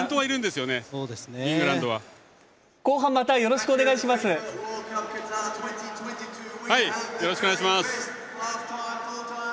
よろしくお願いします。